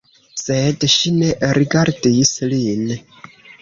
Sed ŝi ne rigardis lin.